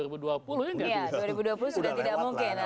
iya dua ribu dua puluh sudah tidak mungkin